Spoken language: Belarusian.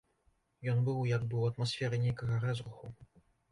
Ён быў як бы ў атмасферы нейкага рэзруху.